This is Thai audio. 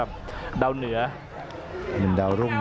อัศวินาศาสตร์